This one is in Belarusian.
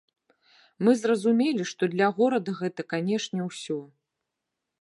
Мы зразумелі што для горада гэта, канечне, усё.